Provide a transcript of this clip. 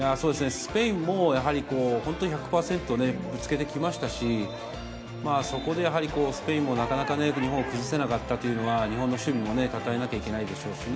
スペインもやはり本当に１００％ね、ぶつけてきましたし、そこでやはりスペインもなかなか日本を崩せなかったというのは、日本の守備もたたえなきゃいけないでしょうしね。